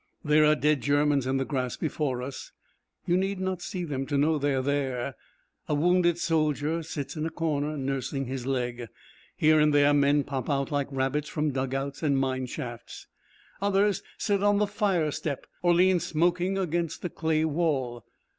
There are dead Germans in the grass before us. You need not see them to know that they are there. A wounded soldier sits in a corner nursing his leg. Here and there men pop out like rabbits from dug outs and mine shafts. Others sit on the fire step or lean smoking against the clay wall.